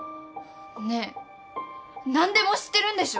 ねえ何でも知ってるんでしょ。